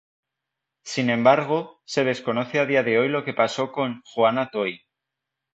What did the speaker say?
Sin embargo, se desconoce a día de hoy lo que pasó con Joana Toy.